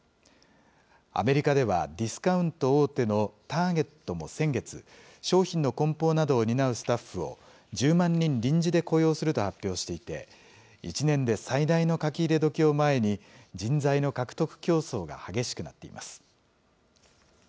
アメリカではディスカウント大手のターゲットも先月、商品のこん包などを担うスタッフを、１０万人臨時で雇用すると発表していて、１年で最大の書き入れ時を前に、人材の獲得競争が激しくなっています。